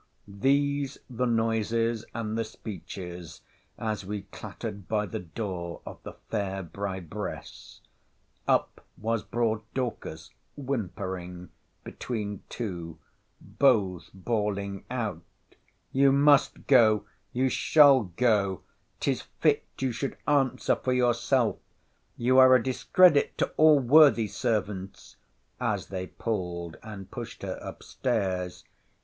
— These the noises and the speeches as we clattered by the door of the fair bribress. Up was brought Dorcas (whimpering) between two, both bawling out—You must go—You shall go—'Tis fit you should answer for yourself—You are a discredit to all worthy servants—as they pulled and pushed her up stairs.